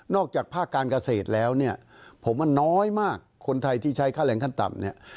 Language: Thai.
อกจากภาคการเกษตรแล้วเนี่ยผมว่าน้อยมากคนไทยที่ใช้ค่าแรงขั้นต่ำเนี่ย